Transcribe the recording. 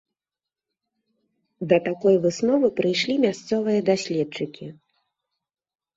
Да такой высновы прыйшлі мясцовыя даследчыкі.